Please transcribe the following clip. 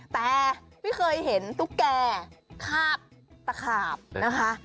แต่ไม่เคยเห็นตุ๊กแก่คาบตะขาบนะคะ